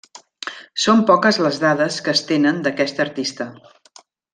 Són poques les dades que es tenen d'aquest artista.